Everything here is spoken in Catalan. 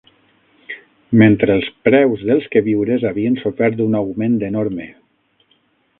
Mentre els preus dels queviures havien sofert un augment enorme